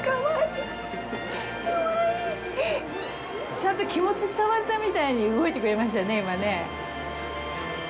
ちゃんと気持ち伝わったみたいに動いてくれましたね、今ね。